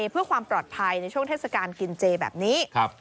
เพื่อความปลอดภัยในช่วงเทศกาลกินเจแบบนี้